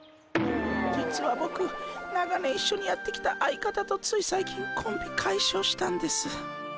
実はボク長年一緒にやってきた相方とつい最近コンビ解消したんです。